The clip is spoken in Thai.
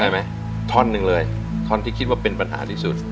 ไหมท่อนหนึ่งเลยท่อนที่คิดว่าเป็นปัญหาที่สุด